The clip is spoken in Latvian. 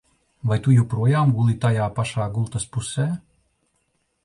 Vai tu joprojām guli tajā pašā gultas pusē?